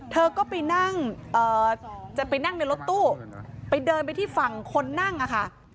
เธอก็ไปนั่งจะไปนั่งในรถตู้ไปเดินไปที่ฝั่งคนนั่งอะค่ะ